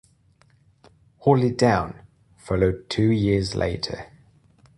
"Hold It Down" followed two years later.